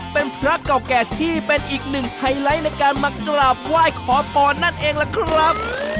เป็นพระเก่าแก่ที่เป็นอีกหนึ่งไฮไลท์ในการมากราบไหว้ขอพรนั่นเองล่ะครับ